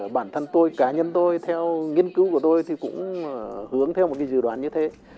bản thân tôi cá nhân tôi theo nghiên cứu của tôi thì cũng hướng theo một cái dự đoán như thế